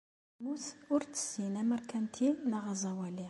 Lmut ur tessin amerkanti neɣ aẓawali.